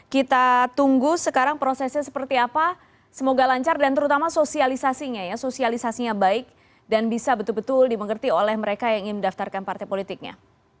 kita tunggu sekarang prosesnya seperti apa semoga lancar dan terutama sosialisasinya ya sosialisasinya baik dan bisa betul betul dimengerti oleh mereka yang ingin mendaftarkan partai politiknya